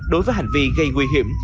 đối với hành vi gây nguy hiểm